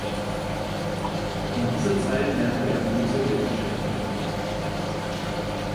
In dieser Zeit lernte er Goze Deltschew kennen.